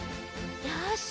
よし。